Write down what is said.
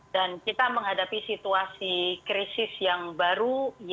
dan kita menghadapi situasi krisis yang baru